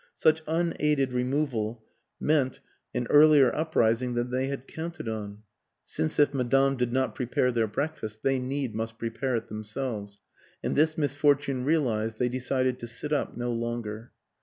Such unaided removal meant an 76 WILLIAM AN ENGLISHMAN earlier uprising than they had counted on since if Madame did not prepare their breakfast they need must prepare it themselves; and this mis fortune realized, they decided to sit up no longer.